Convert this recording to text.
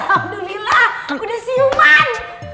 alhamdulillah udah siuman